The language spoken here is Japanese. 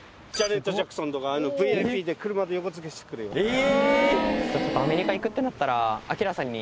え！